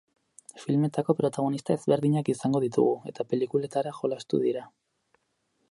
Filmetako protagonista ezberdinak izango ditugu eta pelikuletara jolastu dira.